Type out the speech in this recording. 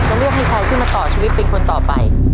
เลือกให้ใครขึ้นมาต่อชีวิตเป็นคนต่อไป